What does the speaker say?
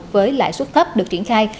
với lại xuất thấp được triển khai